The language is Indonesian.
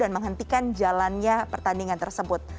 menghentikan jalannya pertandingan tersebut